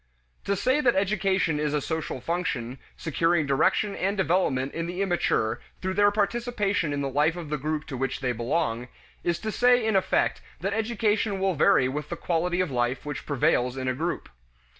To say that education is a social function, securing direction and development in the immature through their participation in the life of the group to which they belong, is to say in effect that education will vary with the quality of life which prevails in a group.